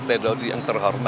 pak rt dodi yang terhormat ya